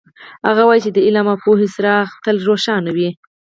هغه وایي چې د علم او پوهې څراغ تل روښانه وي